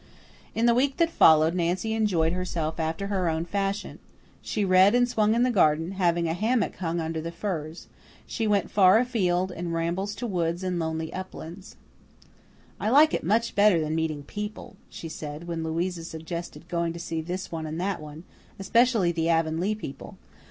In the week that followed Nancy enjoyed herself after her own fashion. She read and swung in the garden, having a hammock hung under the firs. She went far afield, in rambles to woods and lonely uplands. "I like it much better than meeting people," she said, when Louisa suggested going to see this one and that one, "especially the Avonlea people.